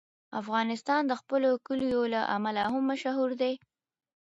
افغانستان د خپلو کلیو له امله هم مشهور دی.